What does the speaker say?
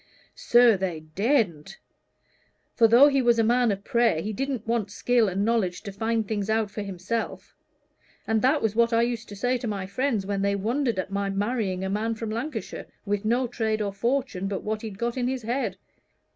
"Sir, they daredn't. For though he was a man of prayer, he didn't want skill and knowledge to find things out for himself; and that's what I used to say to my friends when they wondered at my marrying a man from Lancashire, with no trade nor fortune, but what he'd got in his head.